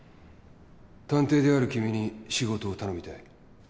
探偵である君に仕事を頼みたい。